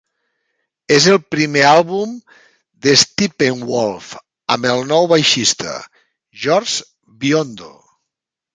És el primer àlbum de Steppenwolf amb el nou baixista, George Biondo.